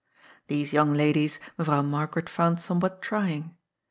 These young ladies Mevrouw Margaret found somewhat trying.